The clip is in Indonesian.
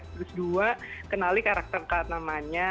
terus dua kenali karakter namanya